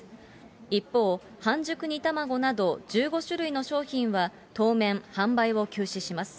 一方、半熟煮たまごなど１５種類の商品は当面、販売を休止します。